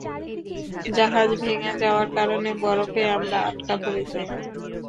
জাহাজ ভেঙে যাওয়ার কারণে বরফে আমরা আটকা পড়ে যাই!